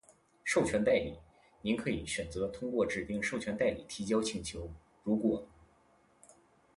授权代理。您可以选择通过指定授权代理提交请求，如果：